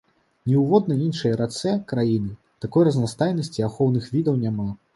Ні ў воднай іншай рацэ краіны такой разнастайнасці ахоўных відаў няма.